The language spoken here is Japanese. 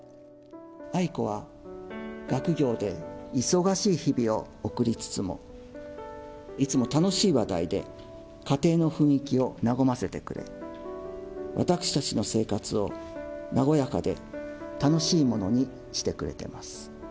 愛子は学業で忙しい日々を送りつつも、いつも楽しい話題で家庭の雰囲気を和ませてくれ、私たちの生活を和やかで楽しいものにしてくれてます。